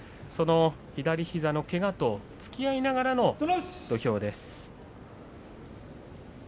左膝のけがとつきあいながらの土俵です。